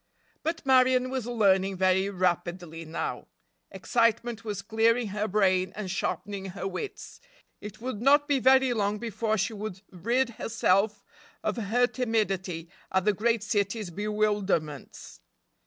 But Marion was learning very rapidly, now. Excitement was clearing her brain and sharpening her wits. It would not be very long before she would rid herself of her timidity at the great city's bewilderments.